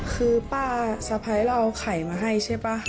คือป้าสะพ้ายเราเอาไข่มาให้ใช่ป่ะ